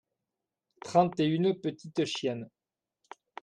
trente et une petites chiennes.